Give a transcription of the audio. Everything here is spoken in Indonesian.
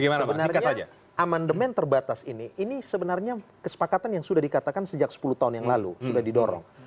sebenarnya amandemen terbatas ini ini sebenarnya kesepakatan yang sudah dikatakan sejak sepuluh tahun yang lalu sudah didorong